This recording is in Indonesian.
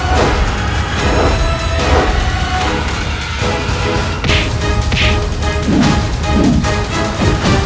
beri secepatnya urutan ini